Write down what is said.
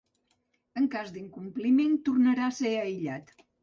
En cas d’incompliment, tornarà a ser aïllat.